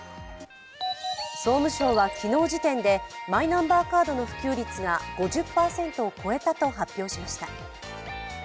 総務省は昨日時点でマイナンバーカードの普及率が５０％を超えたと発表しました。